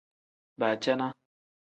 Baacana.